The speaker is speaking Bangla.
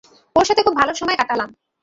ওর সাথে খুব ভালো সময় কাটালাম।